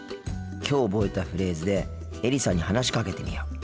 きょう覚えたフレーズでエリさんに話しかけてみよう。